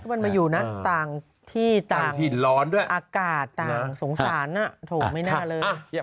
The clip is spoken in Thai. มันมาอยู่นะต่างที่ต่างอากาศต่างสงสารน่ะถูกไม่น่าเลย